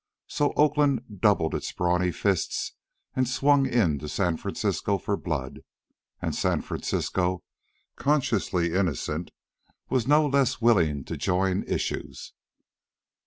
So Oakland doubled its brawny fists and swung into San Francisco for blood. And San Francisco, consciously innocent, was no less willing to join issues.